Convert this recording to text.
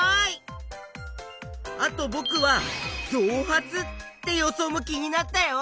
あとぼくは「じょう発」って予想も気になったよ！